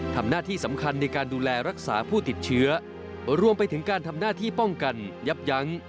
ทำหน้าที่สำคัญในการดูแลรักษาผู้ติดเชื้อรวมไปถึงการทำหน้าที่ป้องกันยับยั้ง